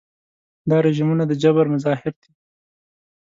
دا رژیمونه د جبر مظاهر دي.